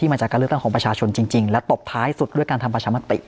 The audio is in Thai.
มาจากการเลือกตั้งของประชาชนจริงและตบท้ายสุดด้วยการทำประชามติ